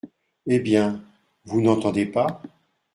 Eh ! bien, vous n’entendez pas ?